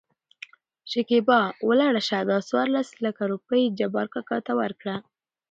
شکېبا : ولاړ شه دا څورلس لکه روپۍ جبار کاکا ته ورکړه.